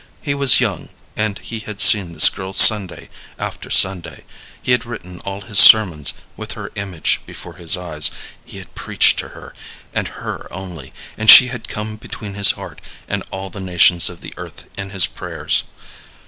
He was young, and he had seen this girl Sunday after Sunday. He had written all his sermons with her image before his eyes, he had preached to her, and her only, and she had come between his heart and all the nations of the earth in his prayers.